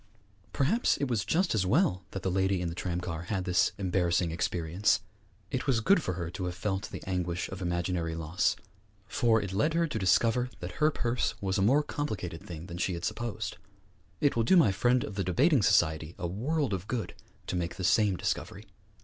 Perhaps it was just as well that the lady in the tramcar had this embarrassing experience. It was good for her to have felt the anguish of imaginary loss, for it led her to discover that her purse was a more complicated thing than she had supposed. It will do my friend of the debating society a world of good to make the same discovery.